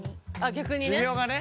逆にね。